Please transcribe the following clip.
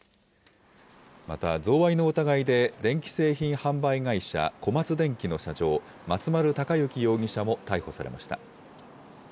また贈賄の疑いで電気製品販売会社、小松電器の社長、松丸隆行容疑者も逮捕されました。